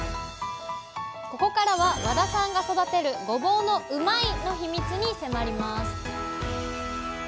ここからは和田さんが育てるごぼうのうまいッ！のヒミツに迫ります！